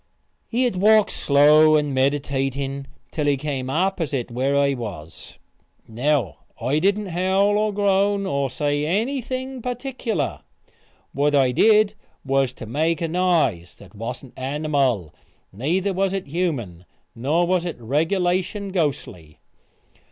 He had walked slow and meditating till he come opposite where I was. Now I didn't howl or groan or say anything particular. What I did was to make a noise that wasn't animal, neither was it human, nor was it regulation ghostly.